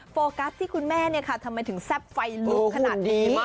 โฟกัสที่คุณแม่ทำไมถึงแซ่บไฟลุกขนาดนี้